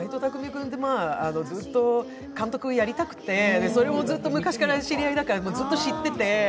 君って、ずっと監督をやりたくてそれもずっと昔から知り合いだから知ってて。